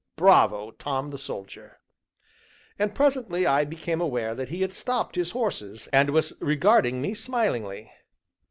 Bravo, Tom the Soldier! And presently I became aware that he had stopped his horses, and was regarding me smilingly.